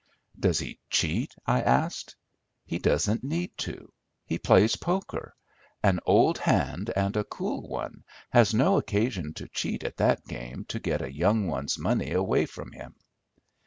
"Does he cheat?" I asked. "He doesn't need to. He plays poker. An old hand, and a cool one, has no occasion to cheat at that game to get a young one's money away from him."